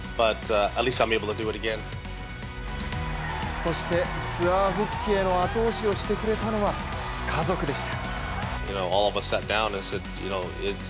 そしてツアー復帰への後押しをしてくれたのは家族でした。